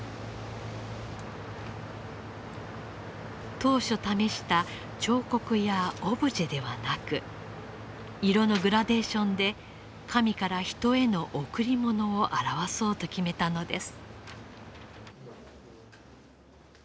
当初試した彫刻やオブジェではなく色のグラデーションで神から人への贈り物を表そうと決めたのです。